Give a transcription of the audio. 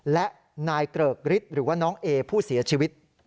และนายเกริกฤทธิ์หรือว่าน้องเอผู้เสียชีวิต